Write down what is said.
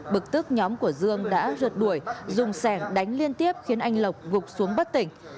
bực tức nhóm của dương đã rượt đuổi dùng sẻng đánh liên tiếp khiến anh lộc gục xuống bất tỉnh